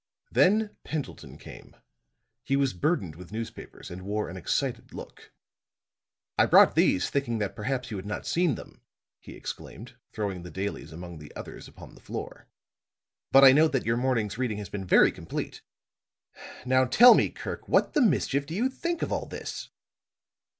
Then Pendleton came. He was burdened with newspapers and wore an excited look. "I brought these, thinking that perhaps you had not seen them," he exclaimed, throwing the dailies among the others upon the floor. "But I note that your morning's reading has been very complete. Now tell me, Kirk, what the mischief do you think of all this?"